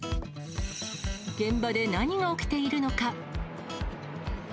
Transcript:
現場で何が起きているのか。